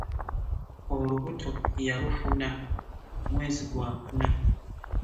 Olubuto yalufuna mwezi gwakuna.